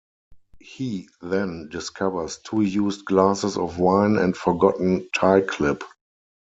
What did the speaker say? He then discovers two used glasses of wine and forgotten tie clip.